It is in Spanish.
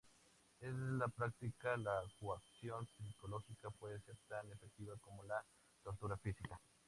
En la práctica, la coacción psicológica puede ser tan efectiva como la tortura física.